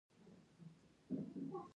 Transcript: د میرمنو کار د فقر کچه راټیټوي.